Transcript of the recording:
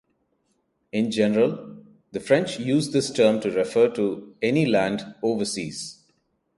In general, the French used this term to refer to any land "overseas".